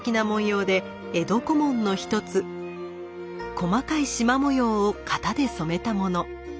細かい縞模様を型で染めたもの。